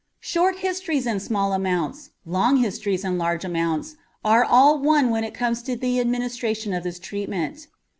Short histories and small amounts, long histories and large amounts, are all one when it comes to the administration of this treatment.